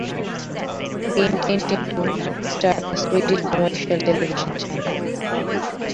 They intended to start a Swedish commercial television channel.